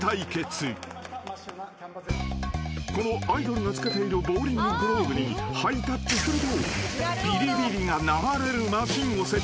［このアイドルが着けているボウリンググローブにハイタッチするとビリビリが流れるマシンを設置］